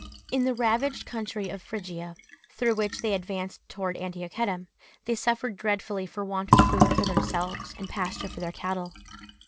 In the ravaged country of Phrygia, through which they advanced towards Antiochetta, they suffered dreadfully for want of food for themselves and pasture for their cattle.